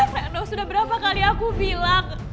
sudah berapa kali aku bilang